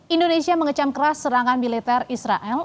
indonesia mengecam keras serangan militer israel